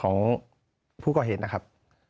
หลังบ้านที่เป็นฝั่งตรงใช่ไหมครับ